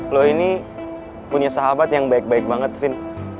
lo ini punya sahabat yang baik baik banget vin